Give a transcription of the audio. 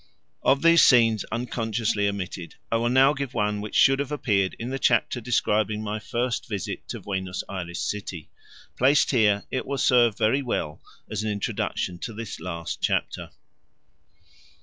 Of these scenes unconsciously omitted, I will now give one which should have appeared in the chapter describing my first visit to Buenos Ayres city: placed here it will serve very well as an introduction to this last chapter.